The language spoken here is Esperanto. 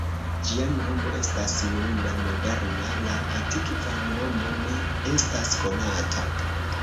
Ĝia nomo estas nuna moderna, la antikva nomo ne estas konata.